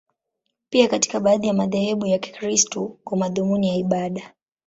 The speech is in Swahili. Pia katika baadhi ya madhehebu ya Kikristo, kwa madhumuni ya ibada.